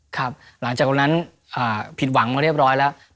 ครับหลังจากวันนั้นผิดหวังมาเรียบร้อยแล้ว